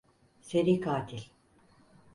Seri katil.